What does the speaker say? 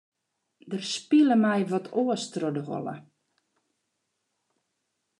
Der spile my wat oars troch de holle.